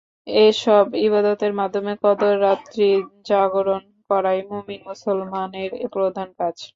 এসব ইবাদতের মাধ্যমে কদরের রাত্রি জাগরণ করাই মুমিন মুসলমানের প্রধান কাজ।